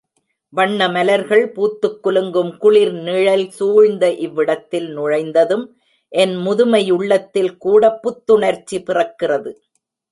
வண்ண மலர்கள் பூத்துக் குலுங்கும் குளிர் நிழல் சூழ்ந்த இவ்விடத்தில் நுழைந்ததும், என் முதுமையுள்ளத்தில் கூடப் புத்துணர்ச்சி பிறக்கிறது.